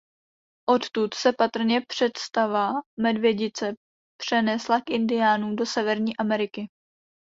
Odtud se patrně představa medvědice přenesla k indiánům do Severní Ameriky.